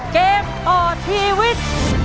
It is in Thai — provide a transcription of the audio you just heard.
เกมต่อชีวิต